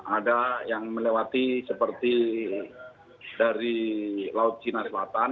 ada yang melewati seperti dari laut cina selatan